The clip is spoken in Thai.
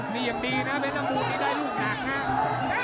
มีอย่างดีนะเป็นมุมที่ได้ลูกหนักครับ